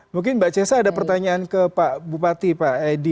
mungkin mbak cesa ada pertanyaan ke pak bupati pak edi